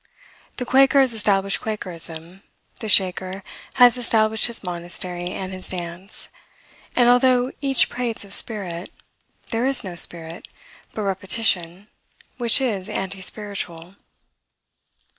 The Quaker has established Quakerism, the Shaker has established his monastery and his dance; and, although each prates of spirit, there is no spirit, but repetition, which is anti spiritual.